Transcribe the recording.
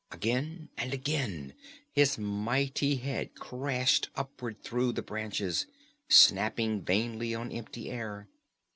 Again and again his mighty head crashed upward through the branches, snapping vainly on empty air.